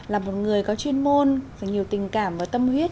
là một người có chuyên môn nhiều tình cảm và tâm huyết